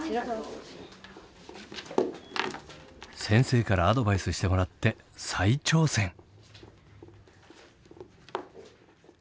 先生からアドバイスしてもらって再挑戦！